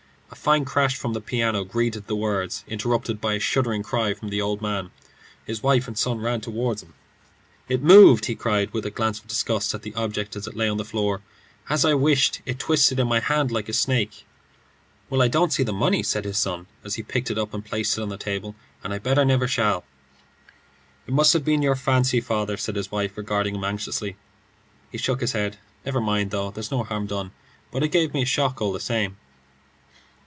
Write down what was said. A fine crash from the piano greeted the words, interrupted by a shuddering cry from the old man. His wife and son ran toward him. "It moved," he cried, with a glance of disgust at the object as it lay on the floor. "As I wished, it twisted in my hand like a snake." "Well, I don't see the money," said his son as he picked it up and placed it on the table, "and I bet I never shall." "It must have been your fancy, father," said his wife, regarding him anxiously. He shook his head. "Never mind, though; there's no harm done, but it gave me a shock all the same."